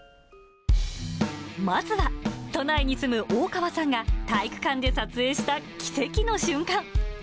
まずは、都内に住む大川さんが、体育館で撮影した奇跡の瞬間。